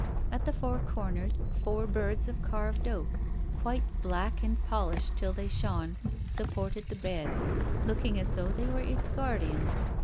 At the four corners four birds of carved oak, quite black and polished till they shone, supported the bed, looking as though they were its guardians.